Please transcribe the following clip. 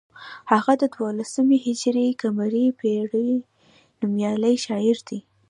هغه د دولسم هجري قمري پیړۍ نومیالی شاعر دی.